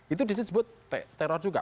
itu disebut teror juga